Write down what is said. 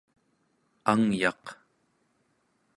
angayaq